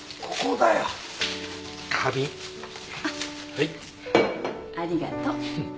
はい。ありがと。